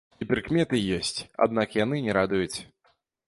І прыкметы ёсць, аднак яны не радуюць.